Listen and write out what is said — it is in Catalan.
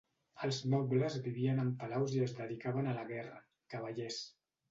Els nobles vivien en palaus i es dedicaven a la guerra, cavallers.